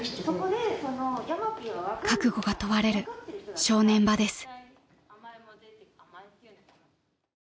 ［覚悟が問われる正念場です］